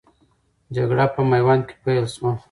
جګړه په میوند کې پیل سوه.